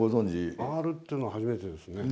回るっていうのは初めてですね。